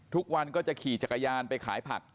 ทุกวันก็จะขี่จักรยานไปขายผัก